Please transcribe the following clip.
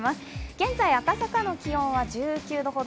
現在、赤坂の気温は１９度ほど。